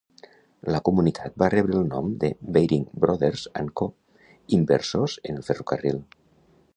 La comunitat va rebre el nom de Baring Brothers and Co, inversors en el ferrocarril.